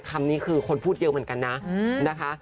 คำนี้คือคนพูดเยอะเหมือนกันนะนะคะ